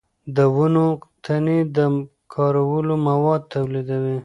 د ونو تنې د کارولو مواد تولیدوي.